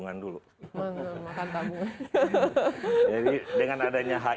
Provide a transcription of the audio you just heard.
dan waktu itu akhirnya yang saya goddess